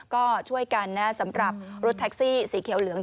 ก็ช่วยกันนะสำหรับรถแท็กซี่สีเขียวเหลือง